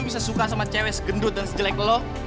bisa suka sama cewek segendut dan sejelek lo